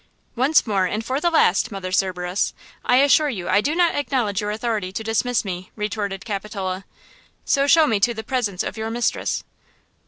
"Once more, and for the last, Mother Cerberus, I assure you I do not acknowledge your authority to dismiss me!" retorted Capitola. "So show me to the presence of your mistress!"